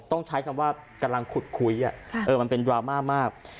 ต้องใช้คำว่ากำลังขุดคุยมันเป็นดราม่ามาก